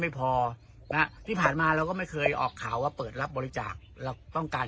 ไม่พอนะฮะที่ผ่านมาเราก็ไม่เคยออกข่าวว่าเปิดรับบริจาคเราต้องการ